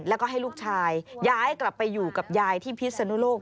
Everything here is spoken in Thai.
แล้วก็ให้ลูกชายย้ายกลับไปอยู่กับยายที่พิศนุโลก